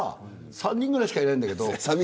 ３人くらいしかいないんだけど。